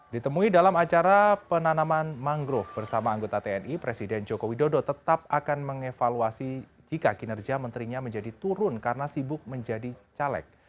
ditemui dalam acara penanaman mangrove bersama anggota tni presiden joko widodo tetap akan mengevaluasi jika kinerja menterinya menjadi turun karena sibuk menjadi caleg